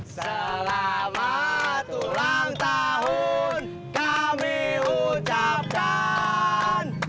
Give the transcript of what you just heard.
selamat ulang tahun kami ucapkan